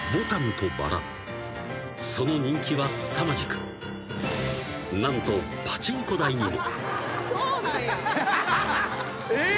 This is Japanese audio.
［その人気はすさまじく何とパチンコ台にも］